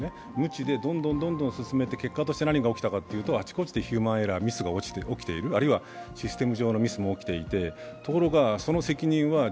むちでどんどん進めて、結果として何が起きたかというと、あちこちでヒューマンエラーが起きている、あるいはシステム上のミスも起きている。